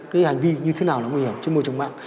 cái hành vi như thế nào là nguy hiểm trên môi trường mạng